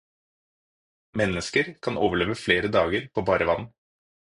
Mennesker kan overleve flere dager på bare vann.